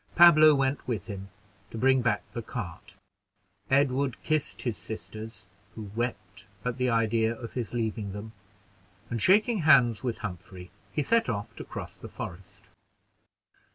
Pablo went with him, to bring back the cart. Edward kissed his sisters, who wept at the idea of his leaving them, and, shaking hands with Humphrey, he set off to cross the forest.